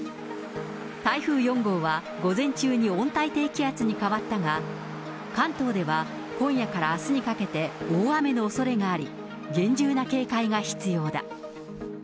台風４号は午前中に温帯低気圧に変わったが、関東では今夜からあすにかけて、大雨のおそれがあり、厳重な警戒が必要だ。